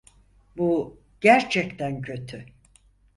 Bu gerçekten kötü.